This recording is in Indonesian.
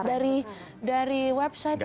dari website kita